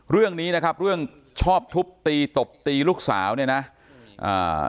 เรื่องนี้นะครับเรื่องชอบทุบตีตบตีลูกสาวเนี่ยนะอ่า